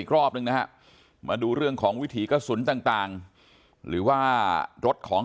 รอบนึงนะฮะมาดูเรื่องของวิถีกระสุนต่างหรือว่ารถของ